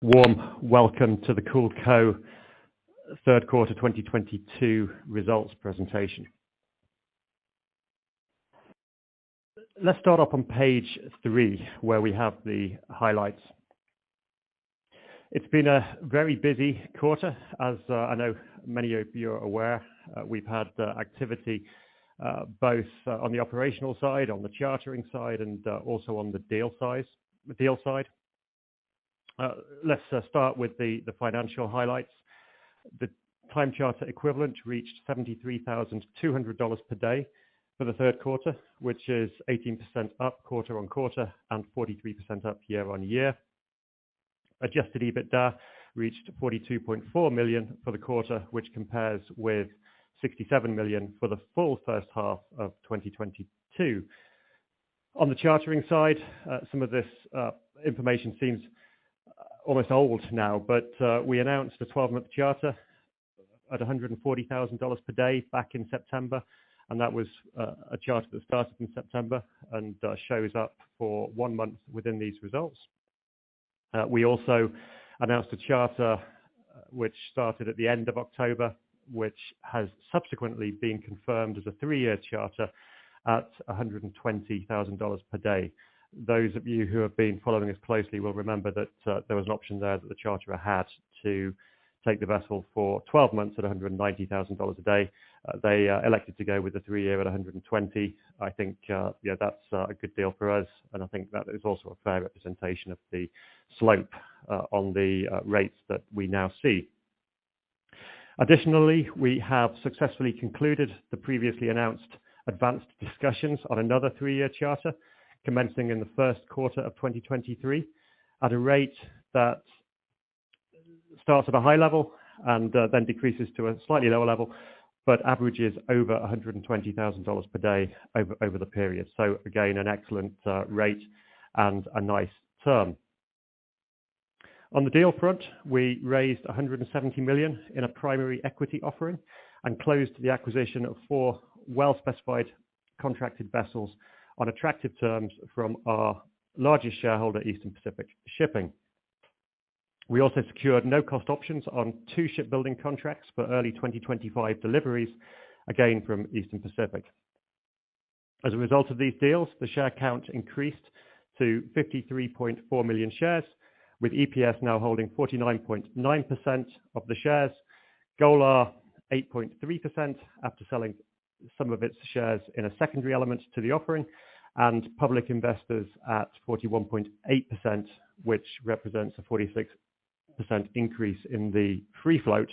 Warm welcome to CoolCo third quarter 2022 results presentation. Let's start off on page 3, where we have the highlights. It's been a very busy quarter as I know many of you are aware. We've had activity both on the operational side, on the chartering side, and also on the deal side. Let's start with the financial highlights. The time charter equivalent reached $73,200 per day for the third quarter, which is 18% up quarter-on-quarter and 43% up year-on-year. Adjusted EBITDA reached $42.4 million for the quarter, which compares with $67 million for the full first half of 2022. On the chartering side, some of this information seems almost old now, but we announced a 12-month charter at $140,000 per day back in September, and that was a charter that started in September and shows up for one month within these results. We also announced a charter which started at the end of October, which has subsequently been confirmed as a three-year charter at $120,000 per day. Those of you who have been following us closely will remember that there was an option there that the charter had to take the vessel for 12 months at $190,000 a day. They elected to go with the three-year at $120,000. I think that's a good deal for us, and I think that is also a fair representation of the slope on the rates that we now see. Additionally, we have successfully concluded the previously announced advanced discussions on another three-year charter commencing in the first quarter of 2023 at a rate that starts at a high level and then decreases to a slightly lower level, but averages over $120,000 per day over the period. Again, an excellent rate and a nice term. On the deal front, we raised $170 million in a primary equity offering and closed the acquisition of four well specified contracted vessels on attractive terms from our largest shareholder, Eastern Pacific Shipping. We also secured no-cost options on two shipbuilding contracts for early 2025 deliveries, again from Eastern Pacific. As a result of these deals, the share count increased to 53.4 million shares, with EPS now holding 49.9% of the shares. Golar 8.3% after selling some of its shares in a secondary element to the offering, and public investors at 41.8%, which represents a 46% increase in the free float.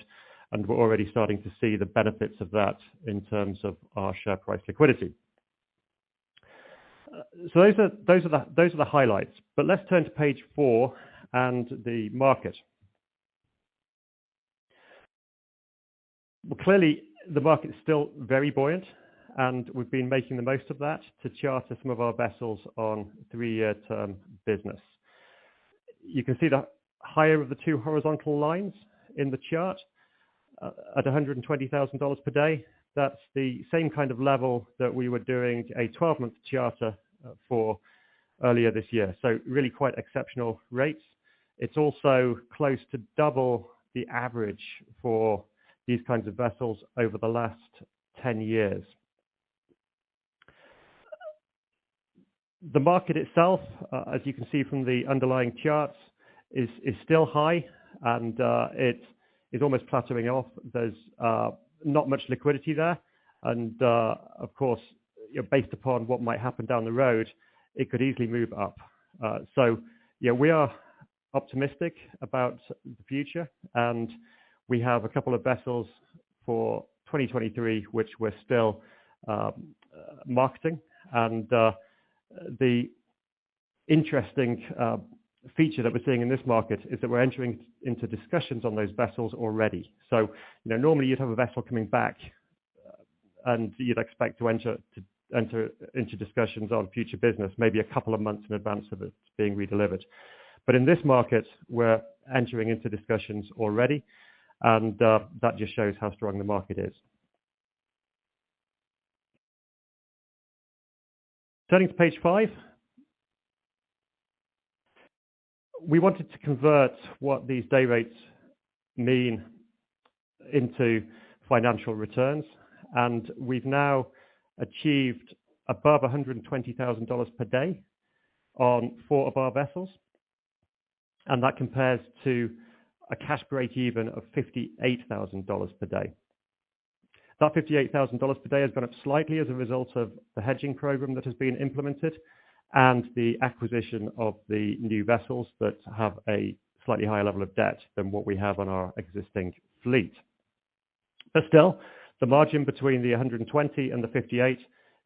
We're already starting to see the benefits of that in terms of our share price liquidity. Those are the highlights. Let's turn to page four and the market. Well, clearly the market's still very buoyant, and we've been making the most of that to charter some of our vessels on three-year term business. You can see the higher of the two horizontal lines in the chart at $120,000 per day. That's the same kind of level that we were doing a 12-month charter for earlier this year. Really quite exceptional rates. It's also close to double the average for these kinds of vessels over the last 10 years. The market itself, as you can see from the underlying charts, is still high and it is almost plateauing off. There's not much liquidity there. Of course, based upon what might happen down the road, it could easily move up. Yeah, we are optimistic about the future and we have a couple of vessels for 2023, which we're still marketing. The interesting feature that we're seeing in this market is that we're entering into discussions on those vessels already. You know, normally you'd have a vessel coming back and you'd expect to enter into discussions on future business maybe a couple of months in advance of it being redelivered. In this market, we're entering into discussions already and that just shows how strong the market is. Turning to page five. We wanted to convert what these day rates mean into financial returns, and we've now achieved above $120,000 per day on four of our vessels, and that compares to a cash breakeven of $58,000 per day. That $58,000 per day has gone up slightly as a result of the hedging program that has been implemented and the acquisition of the new vessels that have a slightly higher level of debt than what we have on our existing fleet. Still, the margin between the 120 and the 58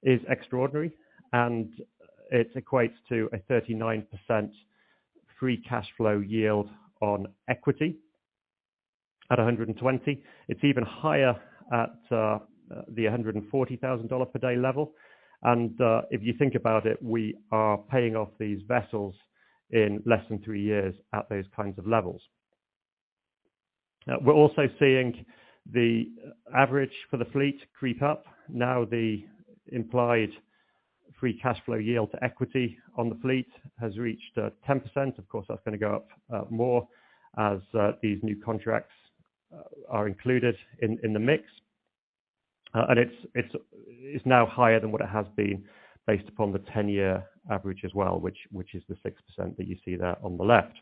is extraordinary, and it equates to a 39% free cash flow yield on equity at a 120. It's even higher at the $140,000 per day level. If you think about it, we are paying off these vessels in less than three years at those kinds of levels. We're also seeing the average for the fleet creep up. Now the implied free cash flow yield to equity on the fleet has reached 10%. Of course, that's gonna go up more as these new contracts are included in the mix. It's now higher than what it has been based upon the ten-year average as well, which is the 6% that you see there on the left.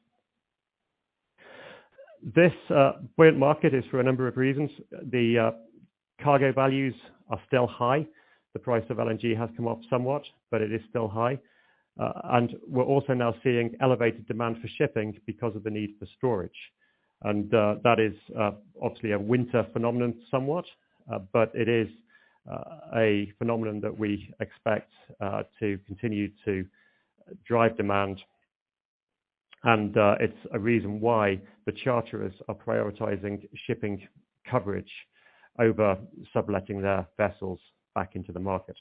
This buoyant market is for a number of reasons. The cargo values are still high. The price of LNG has come off somewhat, but it is still high. We're also now seeing elevated demand for shipping because of the need for storage. That is obviously a winter phenomenon somewhat, but it is a phenomenon that we expect to continue to drive demand. It's a reason why the charterers are prioritizing shipping coverage over subletting their vessels back into the market.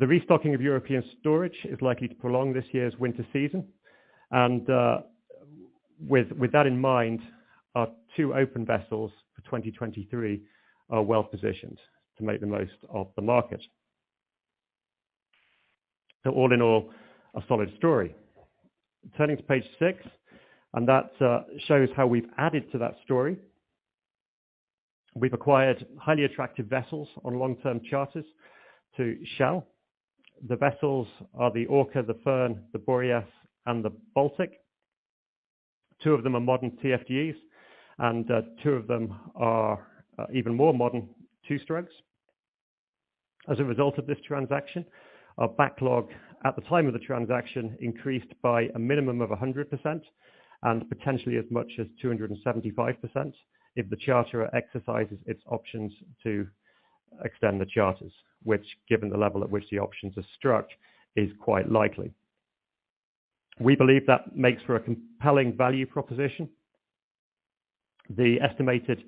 The restocking of European storage is likely to prolong this year's winter season. With that in mind, our two open vessels for 2023 are well-positioned to make the most of the market. All in all, a solid story. Turning to page 6, that shows how we've added to that story. We've acquired highly attractive vessels on long-term charters to Shell. The vessels are the Kool Orca, the Kool Firn, the Kool Boreas, and the Kool Baltic. Two of them are modern TFDEs, and two of them are even more modern two-strokes. As a result of this transaction, our backlog at the time of the transaction increased by a minimum of 100%, and potentially as much as 275% if the charterer exercises its options to extend the charters, which, given the level at which the options are struck, is quite likely. We believe that makes for a compelling value proposition. The estimated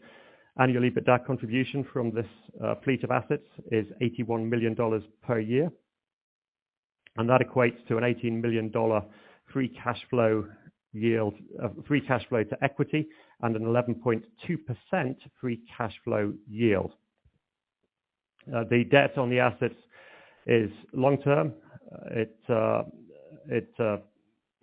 annual EBITDA contribution from this fleet of assets is $81 million per year. That equates to an $18 million free cash flow to equity and an 11.2% free cash flow yield. The debt on the assets is long-term. It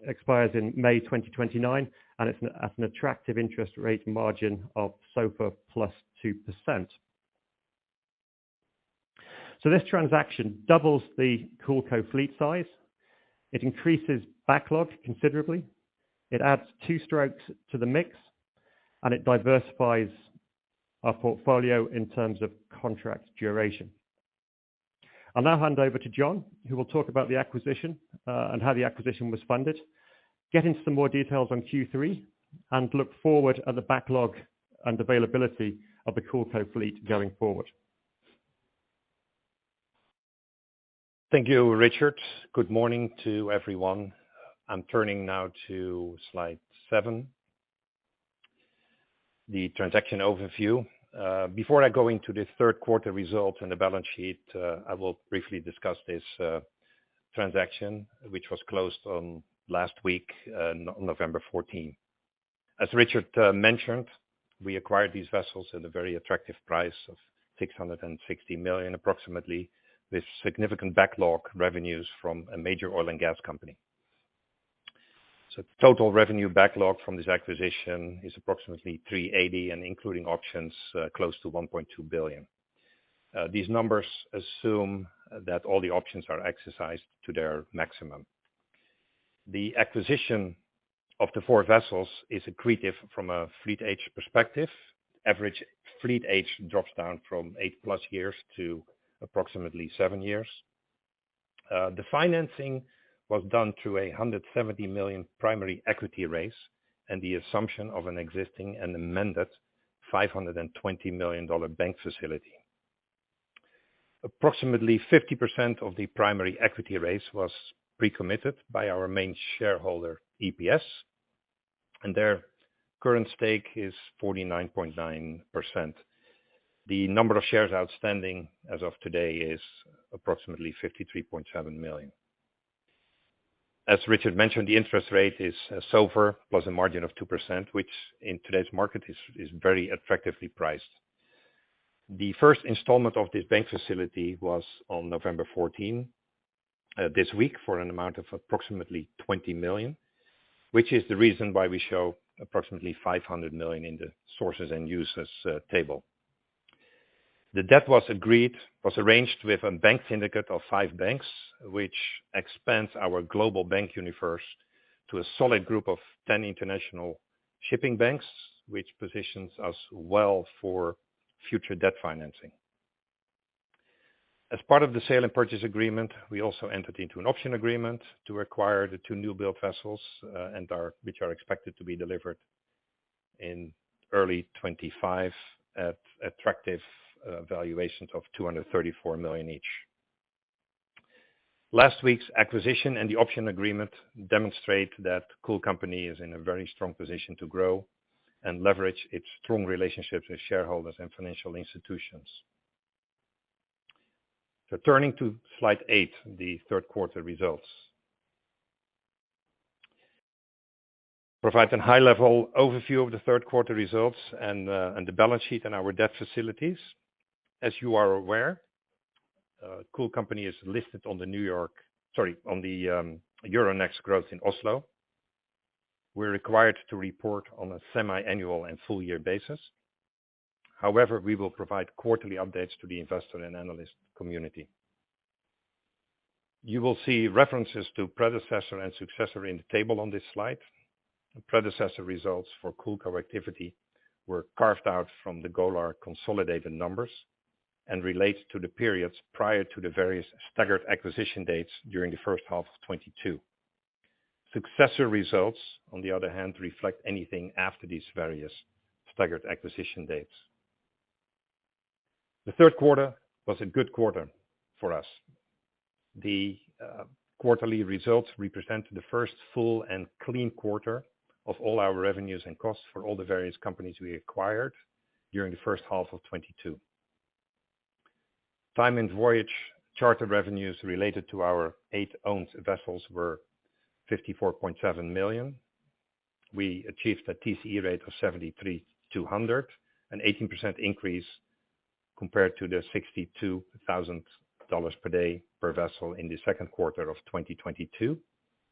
expires in May 2029, and it's at an attractive interest rate margin of SOFR plus 2%. This transaction doubles the CoolCo fleet size. It increases backlog considerably. It adds two strokes to the mix, and it diversifies our portfolio in terms of contract duration. I'll now hand over to John, who will talk about the acquisition, and how the acquisition was funded, get into some more details on Q3, and look forward at the backlog and availability of the CoolCo fleet going forward. Thank you, Richard. Good morning to everyone. I'm turning now to slide 7. The transaction overview. Before I go into the third quarter results and the balance sheet, I will briefly discuss this transaction, which was closed last week on November 14. As Richard mentioned, we acquired these vessels at a very attractive price of $660 million, approximately, with significant backlog revenues from a major oil and gas company. The total revenue backlog from this acquisition is approximately $380 million and including options, close to $1.2 billion. These numbers assume that all the options are exercised to their maximum. The acquisition of the four vessels is accretive from a fleet age perspective. Average fleet age drops down from 8+ years to approximately seven years. The financing was done through a $170 million primary equity raise and the assumption of an existing and amended $520 million bank facility. Approximately 50% of the primary equity raise was pre-committed by our main shareholder, EPS, and their current stake is 49.9%. The number of shares outstanding as of today is approximately 53.7 million. As Richard mentioned, the interest rate is SOFR plus a margin of 2%, which in today's market is very attractively priced. The first installment of this bank facility was on November 14 this week, for an amount of approximately $20 million, which is the reason why we show approximately $500 million in the sources and uses table. The debt was arranged with a bank syndicate of five banks, which expands our global bank universe to a solid group of ten international shipping banks, which positions us well for future debt financing. As part of the sale and purchase agreement, we also entered into an option agreement to acquire the two new build vessels, which are expected to be delivered in early 2025 at attractive valuations of $234 million each. Last week's acquisition and the option agreement demonstrate that Cool Company is in a very strong position to grow and leverage its strong relationships with shareholders and financial institutions. Turning to slide eight, the third quarter results. Provide a high level overview of the third quarter results and the balance sheet and our debt facilities. As you are aware, Cool Company is listed on the New York... Sorry, on the Euronext Growth Oslo. We're required to report on a semi-annual and full year basis. However, we will provide quarterly updates to the investor and analyst community. You will see references to predecessor and successor in the table on this slide. Predecessor results for Cool Company activity were carved out from the Golar consolidated numbers and relates to the periods prior to the various staggered acquisition dates during the first half of 2022. Successor results, on the other hand, reflect anything after these various staggered acquisition dates. The third quarter was a good quarter for us. The quarterly results represent the first full and clean quarter of all our revenues and costs for all the various companies we acquired during the first half of 2022. Time and voyage charter revenues related to our eight owned vessels were $54.7 million. We achieved a TCE rate of $73,000-$100,000, an 18% increase compared to the $62,000 per day per vessel in the second quarter of 2022,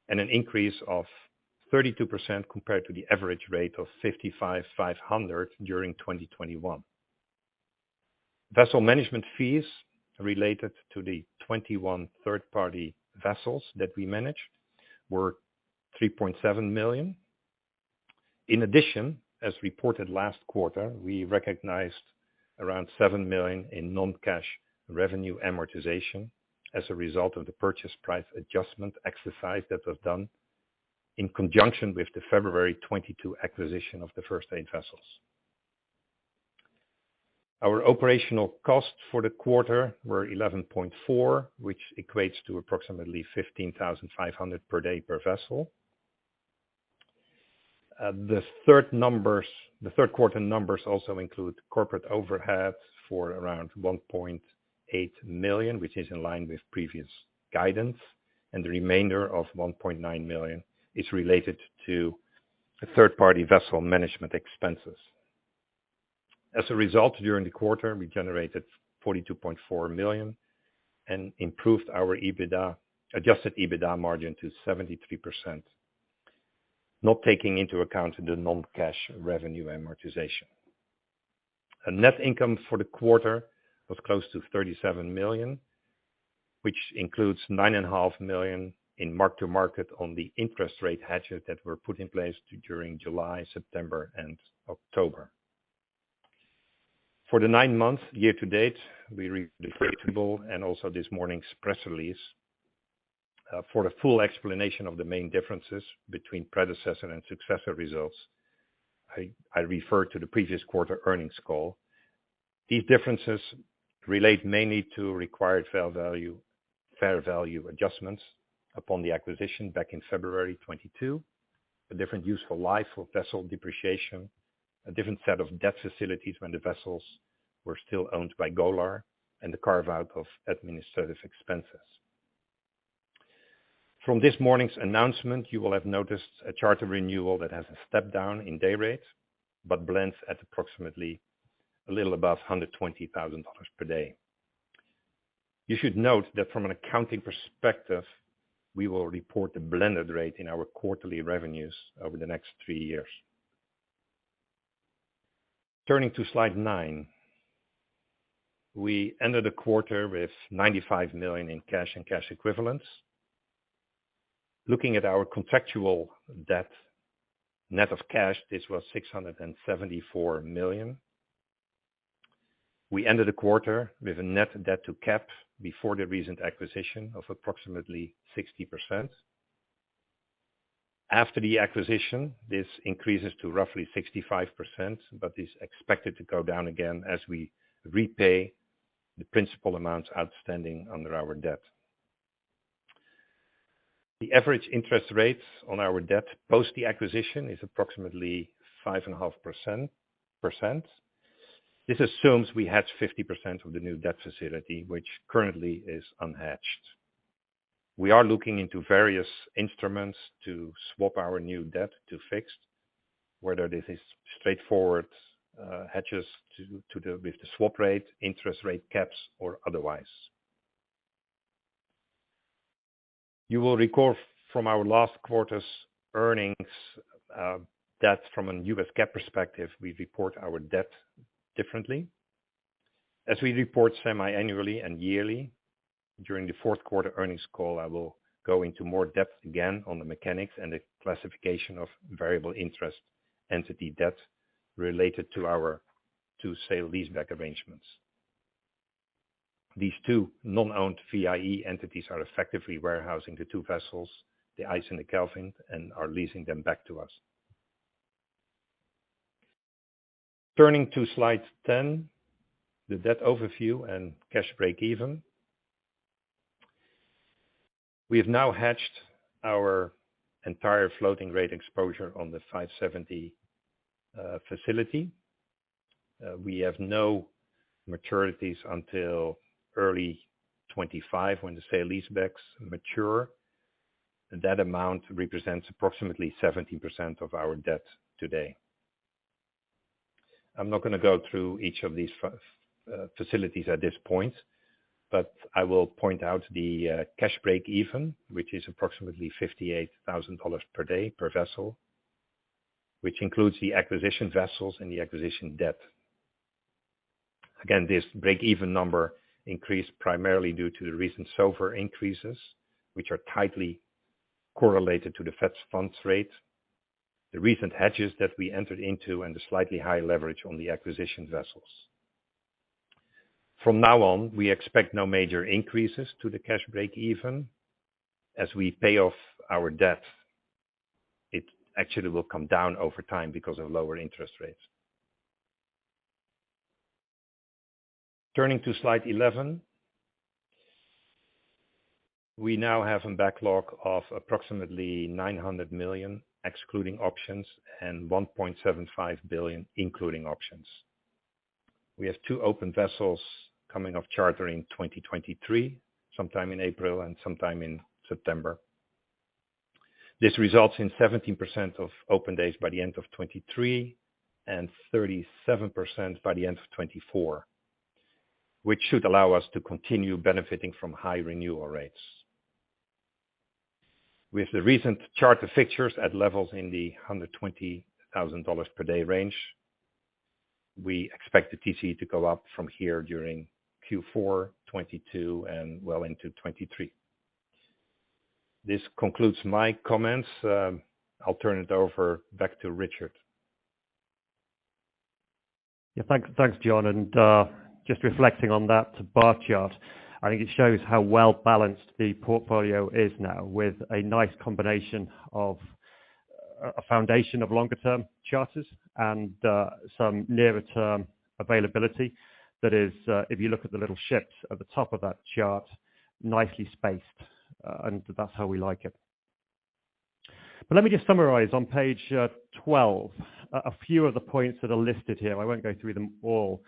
and an increase of 32% compared to the average rate of $55,500 during 2021. Vessel management fees related to the 21 third-party vessels that we manage were $3.7 million. In addition, as reported last quarter, we recognized around $7 million in non-cash revenue amortization as a result of the purchase price adjustment exercise that was done in conjunction with the February 2022 acquisition of the first 8 vessels. Our operational costs for the quarter were $11.4 million, which equates to approximately $15,500 per day per vessel. The third quarter numbers also include corporate overhead for around $1.8 million, which is in line with previous guidance, and the remainder of $1.9 million is related to the third-party vessel management expenses. As a result, during the quarter, we generated $42.4 million and improved our EBITDA, adjusted EBITDA margin to 73%, not taking into account the non-cash revenue amortization. A net income for the quarter was close to $37 million, which includes $9.5 million in mark-to-market on the interest rate hedges that were put in place during July, September and October. For the nine months year-to-date, we refer you to the table and also this morning's press release. For the full explanation of the main differences between predecessor and successor results, I refer to the previous quarter earnings call. These differences relate mainly to required fair value, fair value adjustments upon the acquisition back in February 2022. A different useful life of vessel depreciation, a different set of debt facilities when the vessels were still owned by Golar, and the carve-out of administrative expenses. From this morning's announcement, you will have noticed a charter renewal that has a step down in day rates, but blends at approximately a little above $120,000 per day. You should note that from an accounting perspective, we will report the blended rate in our quarterly revenues over the next three years. Turning to slide 9. We ended the quarter with $95 million in cash and cash equivalents. Looking at our contractual debt net of cash, this was $674 million. We ended the quarter with a net debt to cap before the recent acquisition of approximately 60%. After the acquisition, this increases to roughly 65%, but is expected to go down again as we repay the principal amounts outstanding under our debt. The average interest rates on our debt post the acquisition is approximately 5.5%. This assumes we hedge 50% of the new debt facility, which currently is unhedged. We are looking into various instruments to swap our new debt to fixed, whether this is straightforward hedges with the swap rate, interest rate caps or otherwise. You will recall from our last quarter's earnings that from a US GAAP perspective, we report our debt differently. As we report semi-annually and yearly during the fourth quarter earnings call, I will go into more depth again on the mechanics and the classification of variable interest entity debt related to our two sale and leaseback arrangements. These two non-owned VIE entities are effectively warehousing the two vessels, the Kool Ice and the Kool Kelvin, and are leasing them back to us. Turning to slide 10, the debt overview and cash breakeven. We have now hedged our entire floating rate exposure on the 570 facility. We have no maturities until early 2025 when the sale-leasebacks mature. That amount represents approximately 70% of our debt today. I'm not gonna go through each of these facilities at this point, but I will point out the cash breakeven, which is approximately $58,000 per day per vessel, which includes the acquisition vessels and the acquisition debt. Again, this breakeven number increased primarily due to the recent SOFR increases, which are tightly correlated to the Fed funds rate. The recent hedges that we entered into and the slightly higher leverage on the acquisition vessels. From now on, we expect no major increases to the cash breakeven. As we pay off our debt, it actually will come down over time because of lower interest rates. Turning to slide 11. We now have a backlog of approximately $900 million, excluding options, and $1.75 billion, including options. We have two open vessels coming off charter in 2023, sometime in April and sometime in September. This results in 17% of open days by the end of 2023 and 37% by the end of 2024, which should allow us to continue benefiting from high renewal rates. With the recent charter fixtures at levels in the $120,000 per day range, we expect the TC to go up from here during Q4 2022 and well into 2023. This concludes my comments. I'll turn it over back to Richard. Yeah, thanks. Thanks, John. Just reflecting on that bar chart, I think it shows how well-balanced the portfolio is now with a nice combination of a foundation of longer-term charters and some nearer term availability. That is, if you look at the little ships at the top of that chart, nicely spaced, and that's how we like it. But let me just summarize on page twelve, a few of the points that are listed here. I won't go through them all,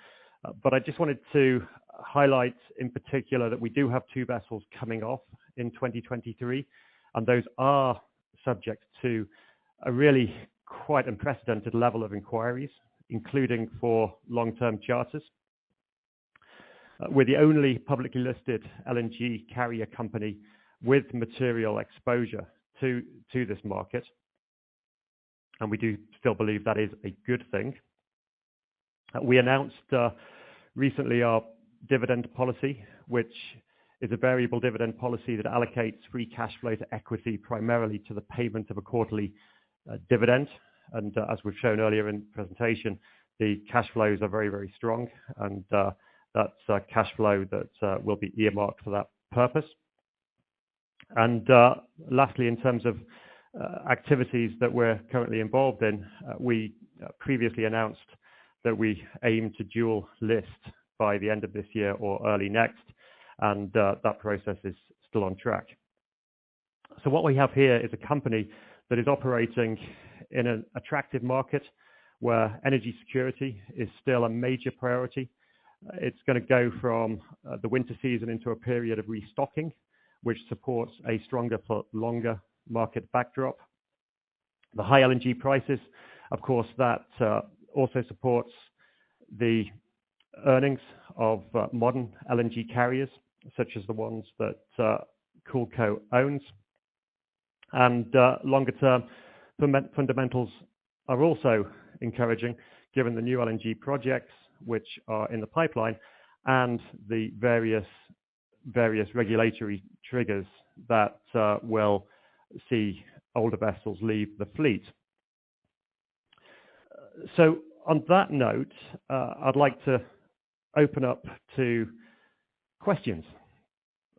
but I just wanted to highlight in particular that we do have two vessels coming off in 2023, and those are subject to a really quite unprecedented level of inquiries, including for long-term charters. We're the only publicly listed LNG carrier company with material exposure to this market, and we do still believe that is a good thing. We announced recently our dividend policy, which is a variable dividend policy that allocates free cash flow to equity, primarily to the payment of a quarterly dividend. As we've shown earlier in the presentation, the cash flows are very, very strong and that's a cash flow that will be earmarked for that purpose. Lastly, in terms of activities that we're currently involved in, we previously announced that we aim to dual list by the end of this year or early next. That process is still on track. What we have here is a company that is operating in an attractive market where energy security is still a major priority. It's gonna go from the winter season into a period of restocking, which supports a stronger for longer market backdrop. The high LNG prices, of course, that also supports the earnings of modern LNG carriers, such as the ones that CoolCo owns. Longer-term fundamentals are also encouraging, given the new LNG projects which are in the pipeline and the various regulatory triggers that will see older vessels leave the fleet. On that note, I'd like to open up to questions.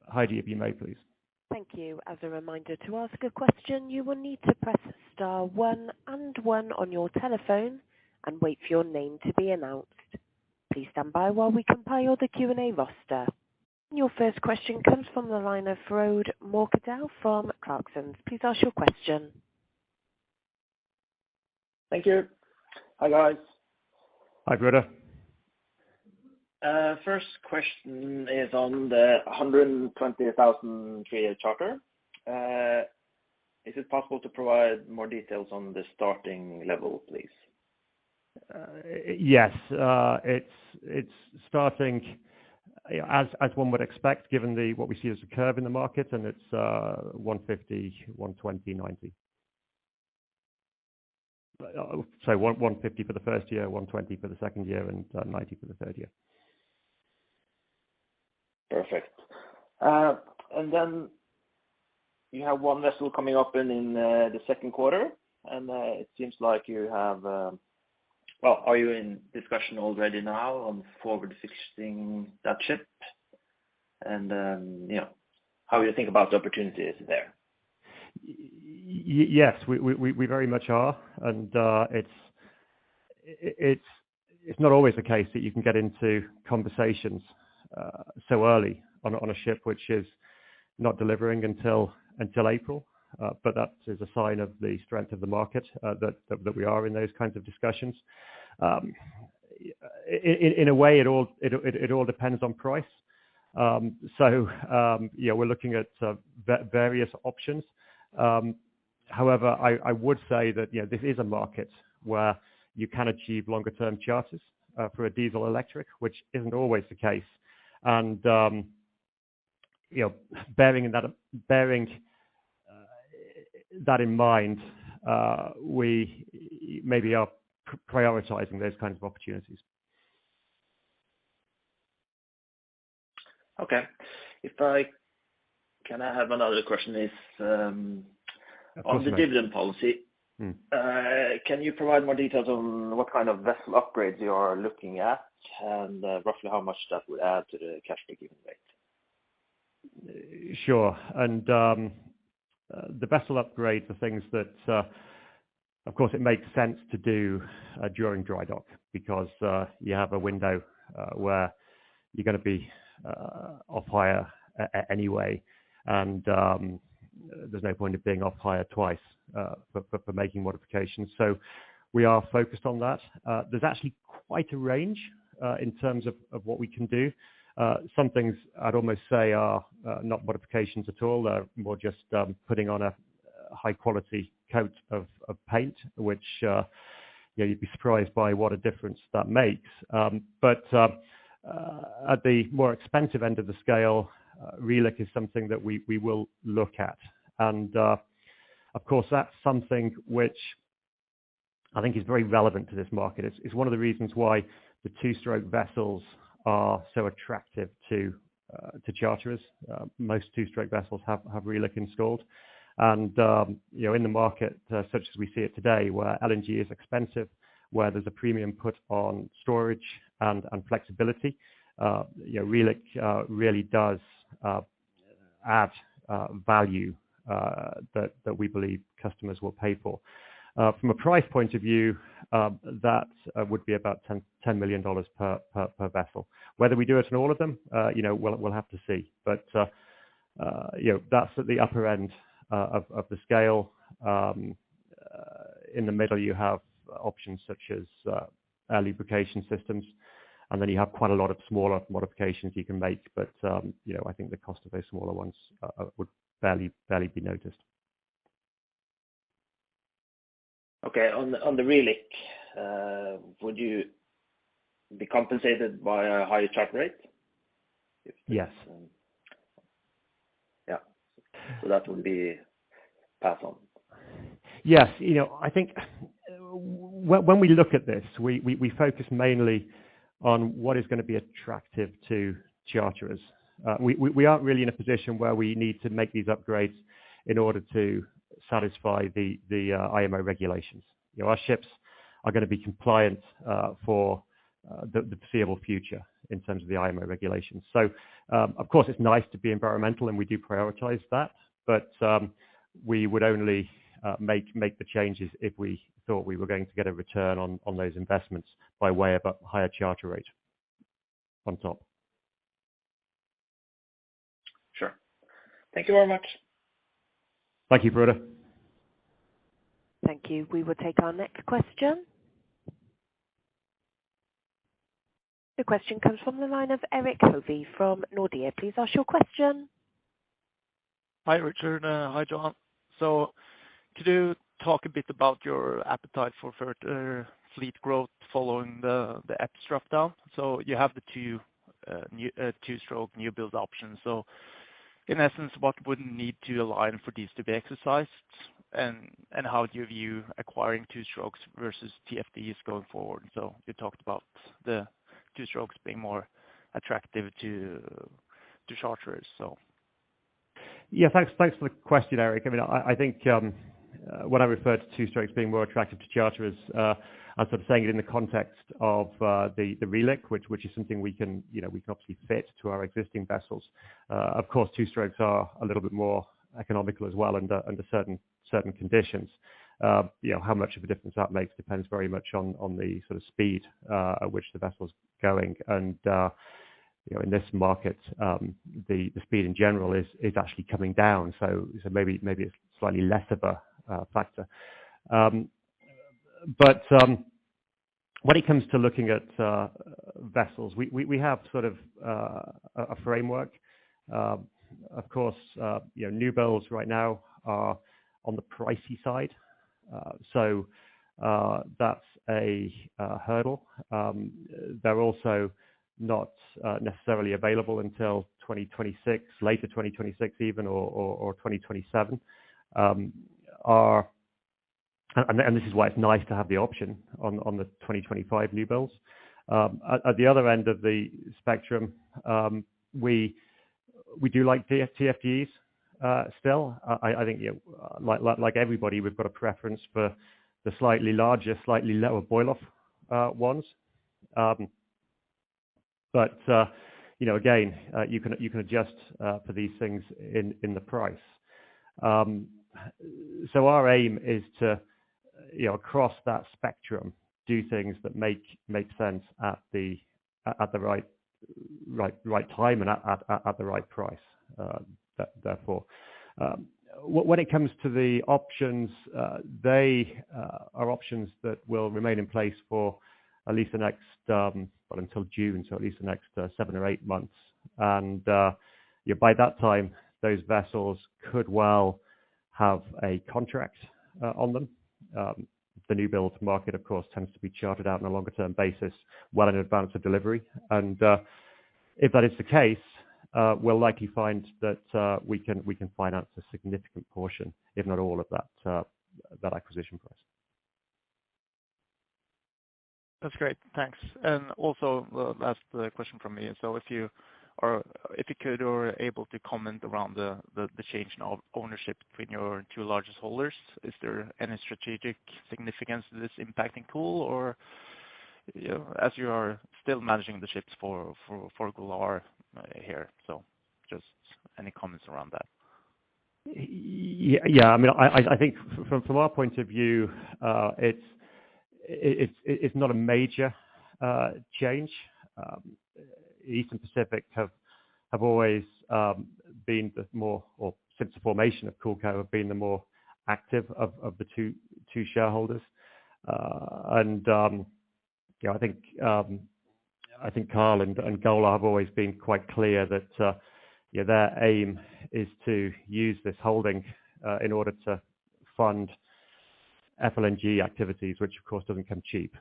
Heidi, if you may, please. Thank you. As a reminder to ask a question, you will need to press star one and one on your telephone and wait for your name to be announced. Please stand by while we compile the Q&A roster. Your first question comes from the line of Frode Mørkedal from Clarksons. Please ask your question. Thank you. Hi, guys. Hi, Frode. First question is on the $120,000 three-year charter. Is it possible to provide more details on the starting level, please? Yes. It's starting as one would expect, given what we see as a curve in the market, and it's $150, $120, 90. Sorry $150 for the first year, $120 for the second year, and 90 for the third year. Perfect. You have one vessel coming up in the second quarter. Well, are you in discussion already now on forward fixing that ship? You know, how you think about the opportunities there? Yes, we very much are. It's not always the case that you can get into conversations so early on a ship which is not delivering until April. That is a sign of the strength of the market that we are in those kinds of discussions. In a way, it all depends on price. Yeah, we're looking at various options. However, I would say that, you know, this is a market where you can achieve longer term charters for a diesel electric, which isn't always the case. You know, bearing that in mind, we maybe are prioritizing those kinds of opportunities. Can I have another question on the dividend policy. Mm. Can you provide more details on what kind of vessel upgrades you are looking at and roughly how much that would add to the cash flow given rate? Sure. The vessel upgrades are things that, of course, it makes sense to do during dry dock because you have a window where you're gonna be off hire anyway. There's no point of being off hire twice for making modifications. We are focused on that. There's actually quite a range in terms of what we can do. Some things I'd almost say are not modifications at all. They're more just putting on a high quality coat of paint, which, yeah, you'd be surprised by what a difference that makes. But at the more expensive end of the scale, reliq is something that we will look at. Of course, that's something which I think is very relevant to this market. It's one of the reasons why the two-stroke vessels are so attractive to charterers. Most two-stroke vessels have reliq installed. You know, in the market such as we see it today, where LNG is expensive, where there's a premium put on storage and flexibility, you know, reliq really does add value that we believe customers will pay for. From a price point of view, that would be about $10 million per vessel. Whether we do it on all of them, you know, we'll have to see. You know, that's at the upper end of the scale. In the middle you have options such as air lubrication systems, and then you have quite a lot of smaller modifications you can make. You know, I think the cost of those smaller ones would barely be noticed. Okay. On the reliq, would you be compensated by a higher charter rate? Yes. Yeah. That would be passed on. Yes. You know, I think when we look at this, we focus mainly on what is gonna be attractive to charterers. We aren't really in a position where we need to make these upgrades in order to satisfy the IMO regulations. You know, our ships are gonna be compliant for the foreseeable future in terms of the IMO regulations. Of course, it's nice to be environmental, and we do prioritize that. We would only make the changes if we thought we were going to get a return on those investments by way of a higher charter rate on top. Sure. Thank you very much. Thank you, Frode. Thank you. We will take our next question. The question comes from the line of Erik Hovi from Nordea. Please ask your question. Hi, Richard. Hi, John. Could you talk a bit about your appetite for further fleet growth following the EPS transaction? You have the two new two-stroke new build options. In essence, what would need to align for these to be exercised, and how do you view acquiring two-strokes versus TFDEs going forward? You talked about the two-strokes being more attractive to charterers. Yeah, thanks. Thanks for the question, Erik. I mean, I think when I refer to two-strokes being more attractive to charterers, I'm sort of saying it in the context of the reliq, which is something we can, you know, obviously fit to our existing vessels. Of course, two-strokes are a little bit more economical as well under certain conditions. You know, how much of a difference that makes depends very much on the sort of speed at which the vessel is going. You know, in this market, the speed in general is actually coming down. Maybe it's slightly less of a factor. When it comes to looking at vessels, we have sort of a framework. Of course, you know, new builds right now are on the pricey side. That's a hurdle. They're also not necessarily available until 2026, later 2026 even or 2027. This is why it's nice to have the option on the 2025 new builds. At the other end of the spectrum, we do like TFDEs still. I think, you know, like everybody, we've got a preference for the slightly larger, slightly lower boil-off ones. You know, again, you can adjust for these things in the price. Our aim is to, you know, cross that spectrum, do things that make sense at the right time and at the right price, therefore. When it comes to the options, they are options that will remain in place for at least the next until June, so at least the next seven or eight months. By that time, those vessels could well have a contract on them. The new builds market, of course, tends to be chartered out on a longer term basis well in advance of delivery. If that is the case, we'll likely find that we can finance a significant portion, if not all of that acquisition price. That's great. Thanks. The last question from me. If you could or able to comment around the change in ownership between your two largest holders. Is there any strategic significance to this impacting Cool or, you know, as you are still managing the ships for Golar here? Just any comments around that. Yeah. I mean, I think from our point of view, it's not a major change. Eastern Pacific have always been the more active of the two shareholders since the formation of CoolCo. You know, I think Carl and Golar have always been quite clear that, you know, their aim is to use this holding in order to fund FLNG activities, which of course doesn't come cheap.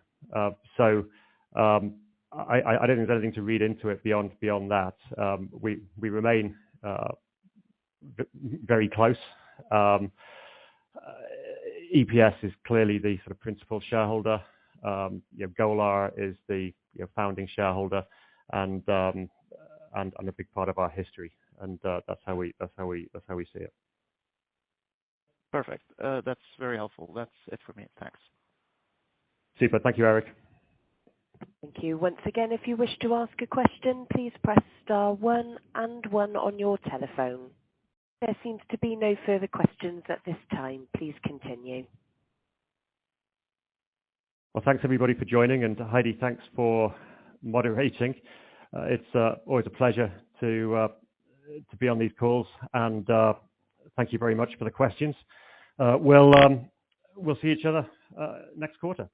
I don't think there's anything to read into it beyond that. We remain very close. EPS is clearly the sort of principal shareholder. You know, Golar is the founding shareholder and a big part of our history. That's how we see it. Perfect. That's very helpful. That's it for me. Thanks. Super. Thank you, Erik. Thank you. Once again, if you wish to ask a question, please press star one and one on your telephone. There seems to be no further questions at this time. Please continue. Well, thanks everybody for joining. To Heidi, thanks for moderating. It's always a pleasure to be on these calls. Thank you very much for the questions. We'll see each other next quarter.